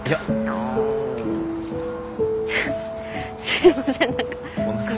すいません何か。